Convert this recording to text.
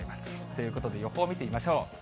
ということで、予報見てみましょう。